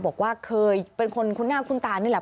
บอกว่าเคยเป็นคนคุ้นหน้าคุ้นตานี่แหละ